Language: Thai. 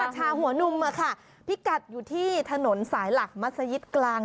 ชาหัวนุ่มพิกัดอยู่ที่ถนนสายหลักมัศยิตกลาง